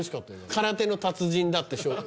空手の達人だって紹介